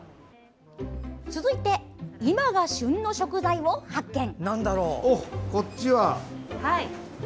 続いて、今が旬の食材を発見。